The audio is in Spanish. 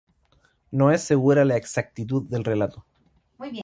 No es segura la exactitud del relato.